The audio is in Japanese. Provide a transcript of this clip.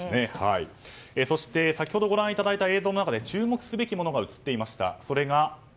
そして、先ほどご覧いただいた映像の中で注目すべきものが映っていました。